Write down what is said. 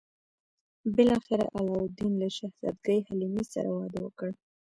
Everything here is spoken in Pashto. بالاخره علاوالدین له شهزادګۍ حلیمې سره واده وکړ.